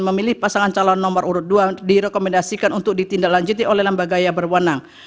memilih pasangan calon nomor urut dua direkomendasikan untuk ditindaklanjuti oleh lembaga yang berwenang